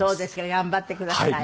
頑張ってください。